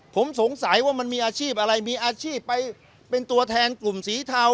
ผมสงสัยว่ามันมีอาชีพอะไรมีอาชีพไปเป็นตัวแทนกลุ่มสีเทา